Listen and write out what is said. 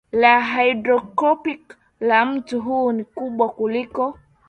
la hydrographic la mto huu ni kubwa kuliko